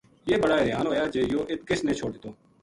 یہ بڑا حیریان ہویا جے یو ہ اِت کس نے چھوڈ دِتو